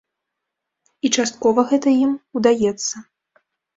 І часткова гэта ім удаецца.